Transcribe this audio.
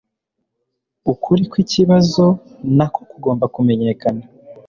Ukuri kwikibazo nako kugomba kumenyekana